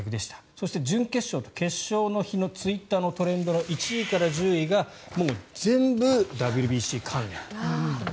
そして準決勝と決勝の日のツイッターのトレンドの１位から１０位が全部ＷＢＣ関連と。